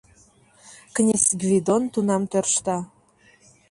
Князь Гвидон тунам тӧршта